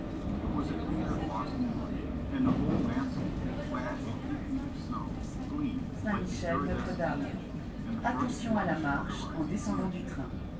It was a clear, frosty morning, and the whole landscape, clad in two feet of snow, gleamed like the iridescent opal, in the first blush of the rising sun.